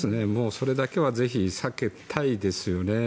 それだけはぜひ避けたいですよね。